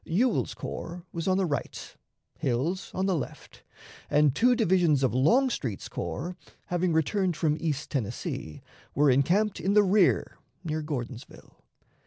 Ewell's corps was on the right, Hill's on the left, and two divisions of Longstreet's corps, having returned from East Tennessee, were encamped in the rear near Gordonsville.